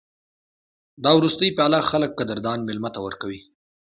دا وروستۍ پیاله خلک قدردان مېلمه ته ورکوي.